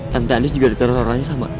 tante andis juga diteror sama orang yang sama